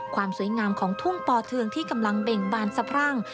ความสวยงามของทุ่งปอเทืองที่กำลังเบ่งบานสะพรั่ง